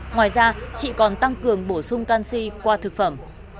ngoài ra chị còn tăng cường bổ sung canxi qua thực phẩm